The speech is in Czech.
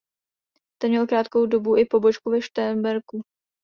Ten měl krátkou dobu i pobočku ve Šternberku.